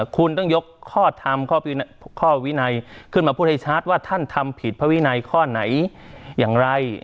คุณต้องยกข้อทำข้อวินัยขึ้นมาพูดให้ชัดว่าท่านทำผิดพระวินัยข้อไหนอย่างไร